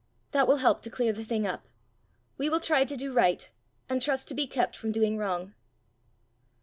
That will help to clear the thing up. We will try to do right, and trust to be kept from doing wrong."